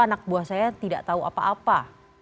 anak buah saya tidak tahu apa apa